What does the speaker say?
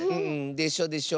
でしょでしょ。